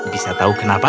bisa tahu kenapa